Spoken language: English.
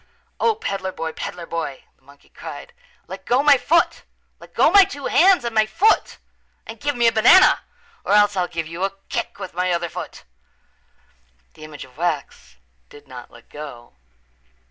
"O, peddler boy, peddler boy," the monkey cried, "let go my foot. Let go my two hands and my foot and give me a banana or else I'll give you a kick with my other foot." The image of wax did not let go.